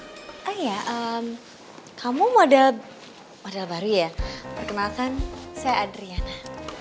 oh iya kamu model model baru ya perkenalkan saya adriana